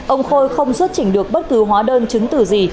ông khôi không xuất chỉnh được bất cứ hóa đơn chứng tử gì